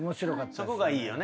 そこがいいよね。